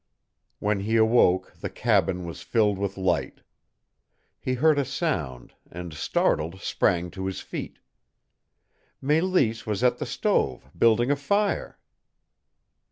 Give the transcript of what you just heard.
When he awoke the cabin was filled with light He heard a sound, and, startled, sprang to his feet. Mélisse was at the stove building a fire!